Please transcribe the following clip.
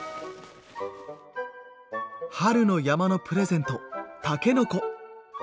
春の山のプレゼントたけのこ。